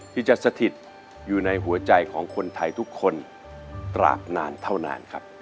ที่จะสถิตอยู่ในหัวใจของคนไทยทุกคนตราบนานเท่านานครับ